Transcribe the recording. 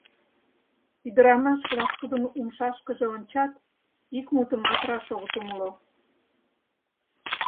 Ӱдырамаш-влак тудын умшашкыже ончат, ик мутымат раш огыт умыло.